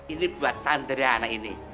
ini buat sandriana ini